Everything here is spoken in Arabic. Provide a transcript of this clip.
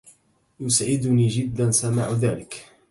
يسعدني جداً سماع ذلك.